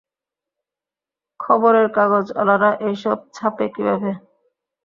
খবরের কাগজঅলারা এইসব ছাপে কীভাবে?